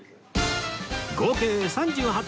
合計３８点